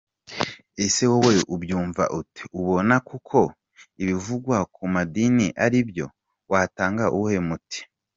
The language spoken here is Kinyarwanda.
Ese wowe ubyumva ute ? Ubona koko ibivugwa ku madini ari byo ? Watanga uwuhe muti ?.